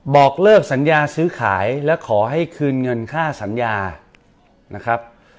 บอกเลิกสัญญาซื้อขายและขอให้คืนเงินค่าสัญญานะครับ